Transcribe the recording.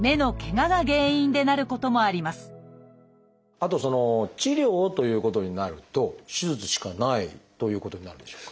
あと治療をということになると手術しかないということになるんでしょうか？